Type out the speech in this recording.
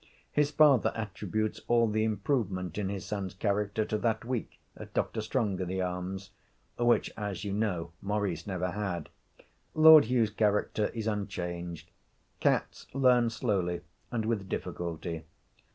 His father attributes all the improvement in his son's character to that week at Dr. Strongitharm's which, as you know, Maurice never had. Lord Hugh's character is unchanged. Cats learn slowly and with difficulty.